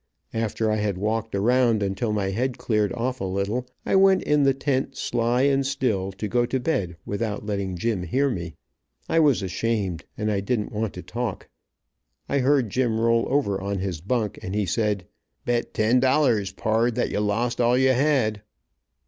After I had walked around until my head cleared off a little, I went in the tent sly and still, to go to bed without letting Jim hear me. I was ashamed, and didn't want to talk. I heard Jim roll over on his bunk, and he said: "Bet ten dollars, pard, that you lost all you had."